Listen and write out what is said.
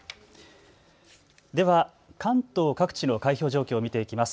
では関東各地の開票状況を見ていきます。